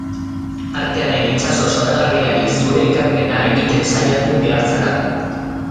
Artearen itsaso zoragarriari zure ekarpena egiten saiatu behar zara.